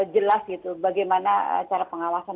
jelas gitu bagaimana cara pengawasan